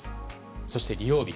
そして利用日。